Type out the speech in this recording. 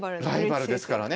ライバルですからね。